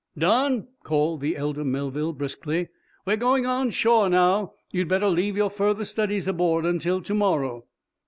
"Don!" called the elder Melville, briskly. "We're going on shore now. You'd better leave your further studies aboard until to morrow."